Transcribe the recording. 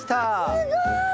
すごい！